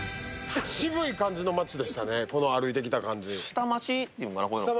渋い感じの町でしたね歩いてきた感じ。